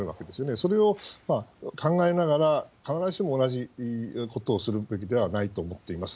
それを考えながら、必ずしも同じ事をするべきではないと思っています。